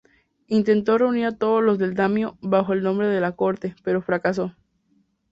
Intentó reunir a todos los "daimyō" bajo el nombre de la Corte, pero fracasó.